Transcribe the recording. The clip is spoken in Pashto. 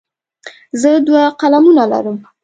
زه دوه قلمونه لرم.